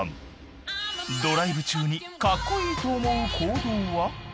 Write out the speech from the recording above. ［ドライブ中にカッコイイと思う行動は］